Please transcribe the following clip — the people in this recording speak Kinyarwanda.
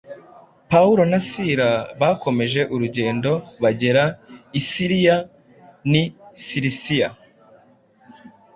Pawulo na Sila bakomeje urugendo bagera i Siriya n’i Silisiya